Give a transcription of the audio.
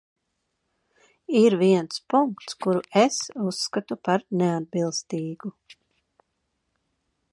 Ir viens punkts, kuru es uzskatu par neatbilstīgu.